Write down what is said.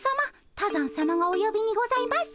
多山さまがおよびにございます。